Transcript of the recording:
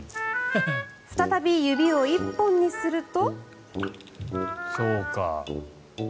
再び指を１本にすると。